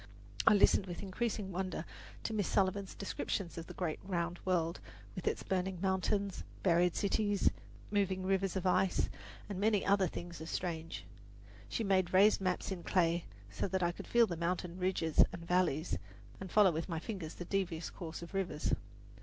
I listened with increasing wonder to Miss Sullivan's descriptions of the great round world with its burning mountains, buried cities, moving rivers of ice, and many other things as strange. She made raised maps in clay, so that I could feel the mountain ridges and valleys, and follow with my fingers the devious course of rivers.